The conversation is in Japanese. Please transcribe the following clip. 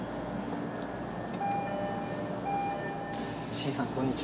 石井さんこんにちは。